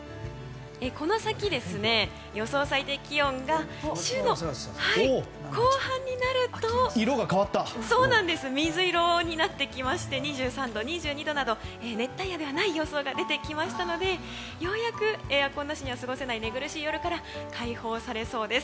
この先、予想最低気温が週の後半になると水色になってきまして２３度、２２度など熱帯夜ではない予想が出てきましたのでようやくエアコンなしには過ごせない寝苦しい夜から解放されそうです。